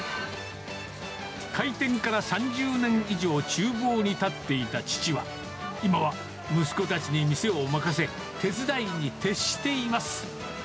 開店から３０年以上、ちゅう房に立っていた父は、今は息子たちに店を任せ、手伝いに徹しています。